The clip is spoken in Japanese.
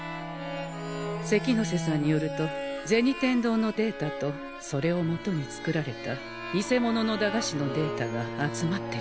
関ノ瀬さんによると銭天堂のデータとそれを基に作られた偽物の駄菓子のデータが集まってるという。